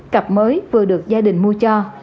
cặp mới vừa được gia đình mua cho